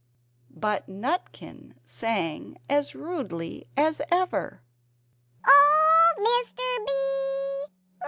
But Nutkin sang as rudely as ever "Old Mr. B!